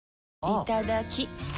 いただきっ！